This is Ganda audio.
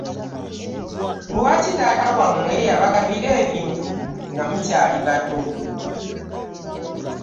Lwaki taata wamwe yabagabira ebintu nga mukyali bato?